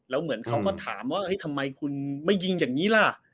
แล้วเหมือนเขาก็ถามว่าทำไมคุณไม่ยิงอย่างนี้ล่ะ